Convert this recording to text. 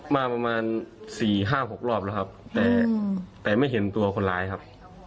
มาประมาณสี่ห้าหกรอบแล้วครับแต่แต่ไม่เห็นตัวคนร้ายครับ